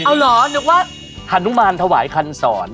เอาเหรอนึกว่าฮานุมานถวายคันสอน